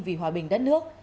vì hòa bình đất nước